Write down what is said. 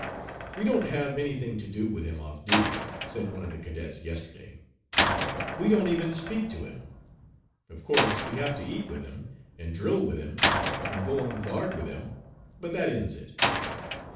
'We don't have any thing to do with him off duty,' said one of the cadets yesterday. 'We don't even speak to him. Of course we have to eat with him, and drill with him, and go on guard with him, but that ends it.